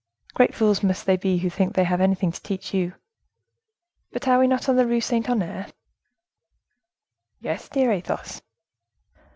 Great fools must they be who think they have anything to teach you. But are we not at the Rue Saint Honore?" "Yes, dear Athos."